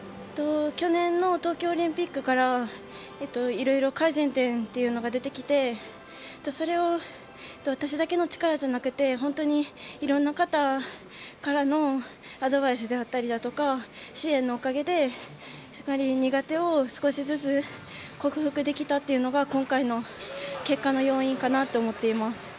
去年の東京オリンピックからはいろいろ改善点っていうのが出てきて、それを私だけの力じゃなくて本当にいろんな方からのアドバイスであったりとか支援のおかげで苦手を少しずつ、克服できたというのが今回の結果の要因かなと思っています。